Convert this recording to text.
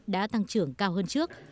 đã tăng trưởng cao hơn trước